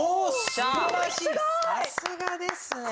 さすがですね。